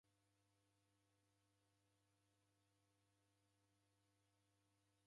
W'ulindiri ghodu ni ijukumu jhedu.